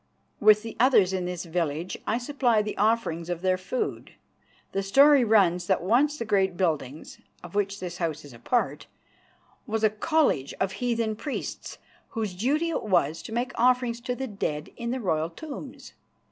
With the others in this village I supply the offerings of their food. The story runs that once the great building, of which this house is a part, was a college of heathen priests whose duty it was to make offerings to the dead in the royal tombs.